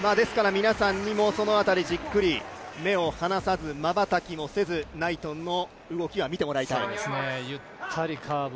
皆さんにもその辺りじっくり目を離さずまばたきもせず、ナイトンの動きは見てもらいたいですね。